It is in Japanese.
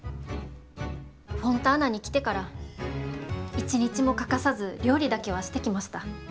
フォンターナに来てから一日も欠かさず料理だけはしてきました。